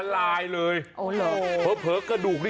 แล้วก็หลุด